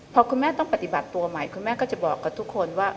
พอคุณแม่ต้องปฏิบัติตัวใหม่คุณแม่ก็จะบอกกับทุกคนว่า